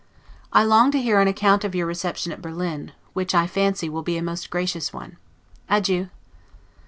I long to hear an account of your reception at Berlin, which I fancy will be a most gracious one. Adieu.